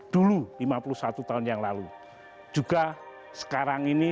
dulu lima puluh satu tahun yang lalu juga sekarang ini